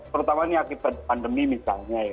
terutama ini akibat pandemi misalnya ya